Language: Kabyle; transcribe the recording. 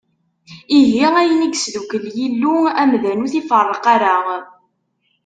Ihi ayen i yesdukel Yillu, amdan ur t-iferreq ara!